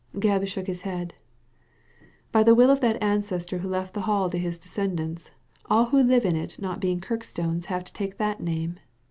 Gebb shook his head "By the will of that ancestor who left the Hall to his descendants, all who live in it not being Kirkstones have to take that name.